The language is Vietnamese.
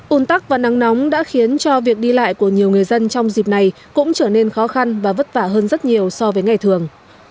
ún tắc và nắng nóng đã khiến cho việc đi lại của nhiều người dân trong dịp này cũng trở nên khó khăn và vất vả hơn rất nhiều so với ngày thường